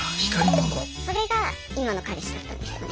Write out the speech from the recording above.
それが今の彼氏だったんですよね。